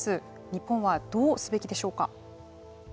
日本はどうすべきでしょうか。